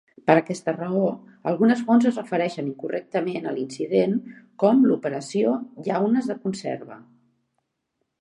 Per aquesta raó, algunes fonts es refereixen incorrectament a l'incident com l'operació "llaunes de conserva".